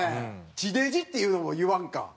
地デジっていうのも言わんかだから。